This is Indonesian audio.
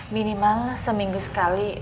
minimal seminggu sekali